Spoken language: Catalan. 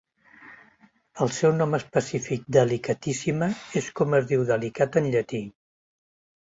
El seu nom específic, "delicatissima", és com es diu "delicat" en llatí.